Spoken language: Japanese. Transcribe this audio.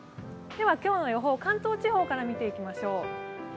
今日の予報、関東地方から見ていきましょう。